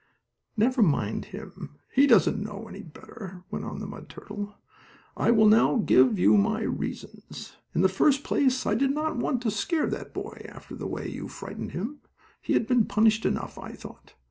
"Never mind him, he doesn't know any better," went on the mud turtle. "I will now give you my reasons. In the first place I did not want to scare that boy after the way you frightened him. He had been punished enough, I thought.